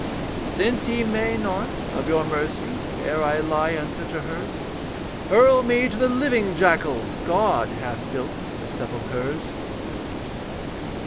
Since ye may not, of your mercy, Ere I lie on such a hearse, Hurl me to the living jackals God hath built for sepulchres.